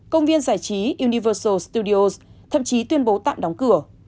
công viên giải trí universal studios thậm chí tuyên bố tạm đóng cửa